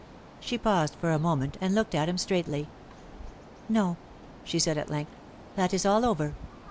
She paused for a moment and looked at him straightly. "No," she said at length; "that is all over.